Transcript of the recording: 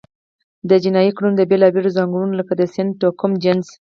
د جنایي کړنو د بیلابېلو ځانګړنو لکه د سن، توکم، جنس،